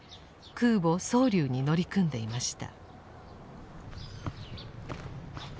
空母「蒼龍」に乗り組んでいました。